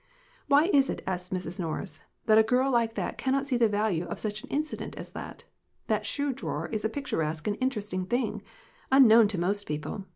"Why is it," asked Mrs. Norris, "that a girl like that cannot see the value of such an incident as that? That shoe drawer is a picturesque and interesting thing, unknown to most people.